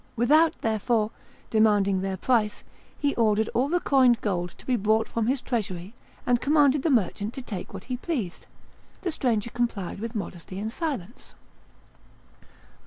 Without, therefore, demanding their price, he ordered all the coined gold to be brought from his treasury, and commanded the merchant to take what he pleased; the stranger complied with modesty and silence.